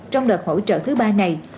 trong đợt hỗ trợ thứ ba này